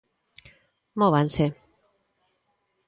Móvanse.